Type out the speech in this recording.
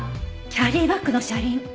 キャリーバッグの車輪？